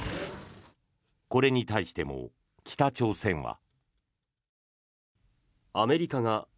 これに対しても北朝鮮は。